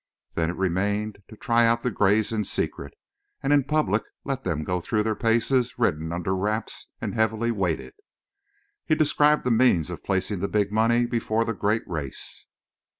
Then it remained to try out the grays in secret, and in public let them go through the paces ridden under wraps and heavily weighted. He described the means of placing the big money before the great race.